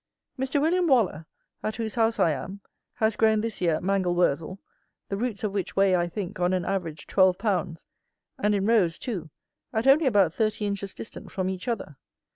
Mr. WILLIAM WALLER, at whose house I am, has grown, this year, Mangel Wurzel, the roots of which weigh, I think, on an average, twelve pounds, and in rows, too, at only about thirty inches distant from each other.